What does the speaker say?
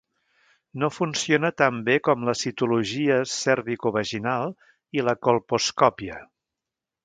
No funciona tan bé com la citologia cervicovaginal i la colposcòpia.